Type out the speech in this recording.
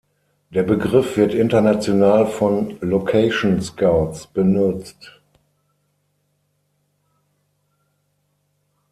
Der Begriff wird international von Location-Scouts benutzt.